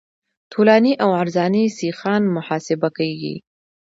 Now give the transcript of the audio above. طولاني او عرضاني سیخان محاسبه کیږي